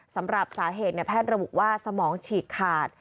สำหรับสาเหตุแพทย์ระบุว่าสมองฉีกขาด